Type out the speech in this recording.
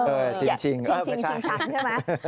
เออจริงเอ้าไม่ใช่